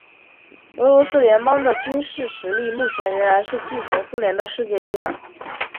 俄罗斯联邦的军事实力目前仍然是继承苏联的世界第二。